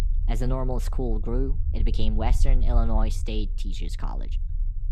As the normal school grew, it became Western Illinois State Teachers College.